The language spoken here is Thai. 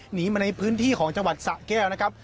หนีมาในพื้นที่ของจังหวัดสะแก้วนะครับ